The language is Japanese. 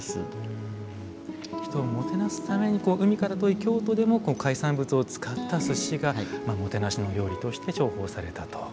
人をもてなすために海から遠い京都でも海産物を使った寿司がもてなしの料理として重宝されたと。